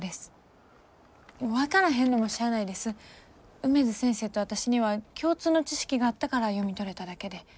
梅津先生と私には共通の知識があったから読み取れただけで。